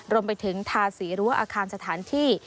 รวมไปถึงทาสีรั้วอาคารสถานที่